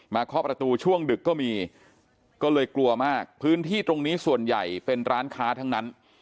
เคาะประตูช่วงดึกก็มีก็เลยกลัวมากพื้นที่ตรงนี้ส่วนใหญ่เป็นร้านค้าทั้งนั้น